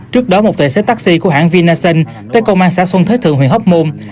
trước đó một tài xế taxi của hãng vinasen tới công an xã xuân thế thượng huyền hóc môn